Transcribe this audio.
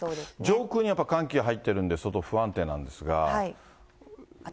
上空にやっぱ寒気が入ってるんで、相当不安定なんですが。